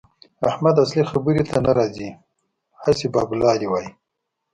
احمد اصلي خبرې ته نه راځي؛ هسې بابولالې وايي.